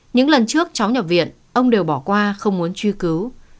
những lần trước cháu nhập viện ông đều bỏ qua không muốn truy cứu